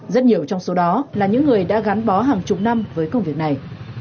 rất nhiều trong số đó là những người đã gắn bó hàng chục năm với công việc này